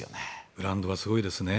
ブランドがすごいですね。